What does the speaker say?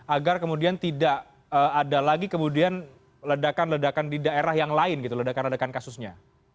agar kemudian tidak ada lagi kemudian ledakan ledakan di daerah yang lain gitu ledakan ledakan kasusnya